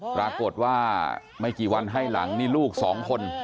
ปรากฏว่าไม่กี่วันให้หลังนี่ลูกสองคน